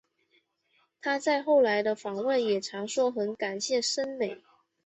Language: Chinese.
她在后来的访问也常说很感谢森美。